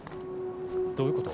どういうこと？